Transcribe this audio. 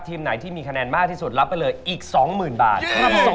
ทีมไหนที่มีคะแนนมากที่สุดรับไปเลยอีก๒๐๐๐บาท